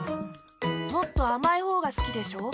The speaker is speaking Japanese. もっとあまいほうがすきでしょ？